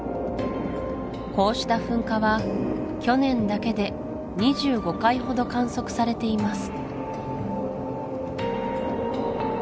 こうした噴火は去年だけで２５回ほど観測されています